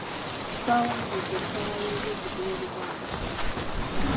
twawandiise olukalala lw'eby'okugula oluwanvu.